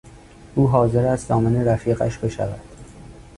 او حاضر است ضامن رفیقش بشود.